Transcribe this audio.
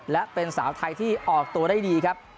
และเป็นสาวไทยที่ออกตัวได้ดีครับ